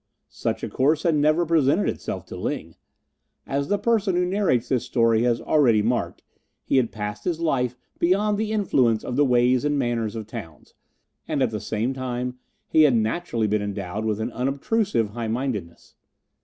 Such a course had never presented itself to Ling. As the person who narrates this story has already marked, he had passed his life beyond the influence of the ways and manners of towns, and at the same time he had naturally been endowed with an unobtrusive highmindedness.